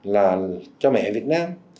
là cho mẹ việt nam